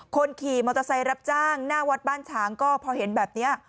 คนขี่มอเตอร์ไซค์รับจ้างหน้าวัดบ้านฉางก็พอเห็นแบบนี้